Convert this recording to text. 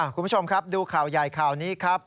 คุณผู้ชมครับดูข่าวใหญ่ข่าวนี้ครับ